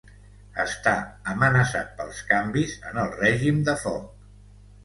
Està amenaçat pels canvis en el règim de foc.